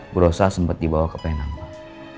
burosa sempat dibawa ke penang pak